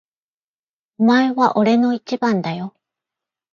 お前は俺の一番だよ。